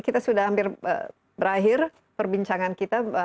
kita sudah hampir berakhir perbincangan kita